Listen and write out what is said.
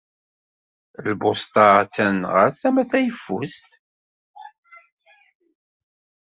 Lbusṭa attan ɣer tama tayeffust.